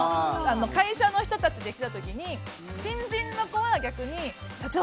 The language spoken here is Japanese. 会社の人たちで来た時に新人の子は逆に社長！